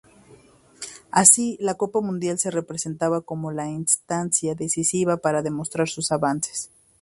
Así, la Copa Mundial se presentaba como la instancia decisiva para demostrar sus avances.